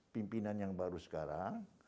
pimpinan yang baru sekarang